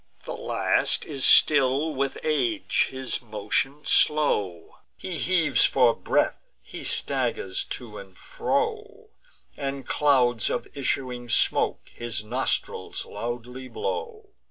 The last is stiff with age, his motion slow; He heaves for breath, he staggers to and fro, And clouds of issuing smoke his nostrils loudly blow.